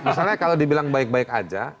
misalnya kalau dibilang baik baik aja